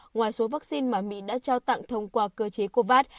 ngoài số vaccine mà mỹ đã trao tặng thông qua cơ chế covax